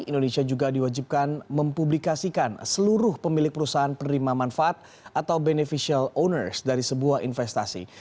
indonesia juga diwajibkan mempublikasikan seluruh pemilik perusahaan penerima manfaat atau beneficial owners dari sebuah investasi